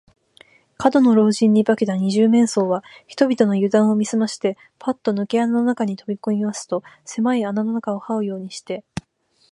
門野老人に化けた二十面相は、人々のゆだんを見すまして、パッとぬけ穴の中にとびこみますと、せまい穴の中をはうようにして、